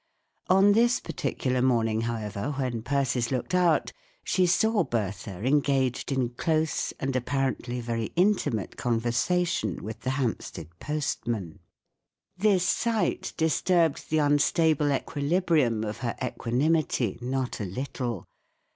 On this particular morning, however, when Persis looked out, she saw Bertha en¬ gaged in dose, and apparently very intimate, conversa¬ tion with the Hamp¬ stead postman. This sight disturbed the unstable equi¬ librium of her equa¬ nimity not a little.